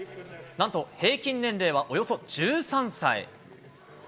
なんと平均年齢はおよそ１３歳。